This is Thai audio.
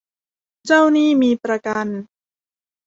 เจ้าหนี้มีประกัน